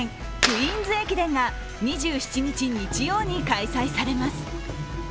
クイーンズ駅伝が２７日、日曜に開催されます。